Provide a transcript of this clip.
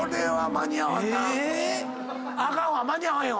間に合わへんわ。